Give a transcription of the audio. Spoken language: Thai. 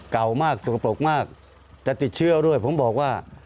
เก่ามากสกปรกมากจะติดเชื้อด้วยผมบอกว่า